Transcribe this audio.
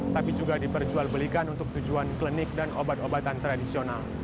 tapi juga diperjualbelikan untuk tujuan klinik dan obat obatan tradisional